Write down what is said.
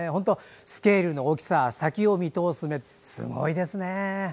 スケールの大きさ先を見通す目、すごいですね。